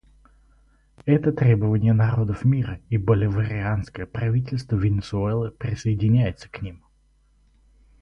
Это требования народов мира, и Боливарианское правительство Венесуэлы присоединяется к ним.